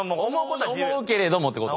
思うけれどもってこと？